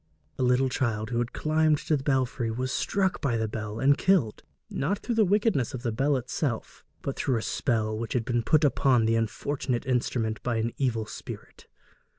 A little child who had climbed to the belfry was struck by the bell and killed, not through the wickedness of the bell itself, but through a spell which had been put upon the unfortunate instrument by an evil spirit.